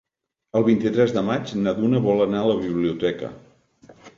El vint-i-tres de maig na Duna vol anar a la biblioteca.